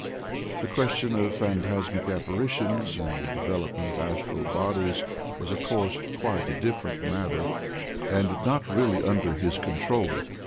The question of phantasmic apparitions, and the development of astral bodies, was of course quite a different matter, and really not under his control.